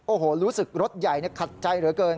โอ้โหรู้สึกรถใหญ่ขัดใจเหลือเกิน